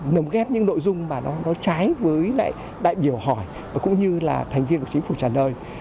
nồng ghép những nội dung mà nó trái với lại đại biểu hỏi và cũng như là thành viên của chính phủ trả lời